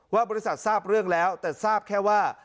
บริษัททราบเรื่องแล้วแต่ทราบแค่ว่า